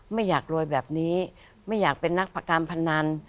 ไม่อยากรวยแบบนี้ไม่อยากเป็นนักประการพนัน